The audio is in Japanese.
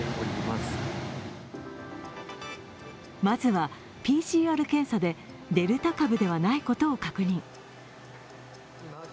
まずは、ＰＣＲ検査でデルタ株ではないことを確認。